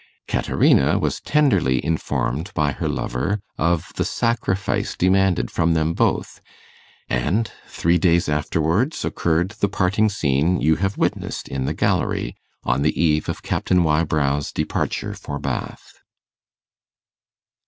Caterina was tenderly informed by her lover of the sacrifice demanded from them both; and three days afterwards occurred the parting scene you have witnessed in the gallery, on the eve of Captain Wybrow's departure for Bath.